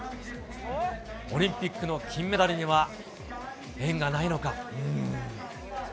オリンピックの金メダルには縁がないのか。